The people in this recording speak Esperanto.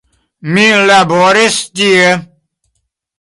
Mi laboris tie.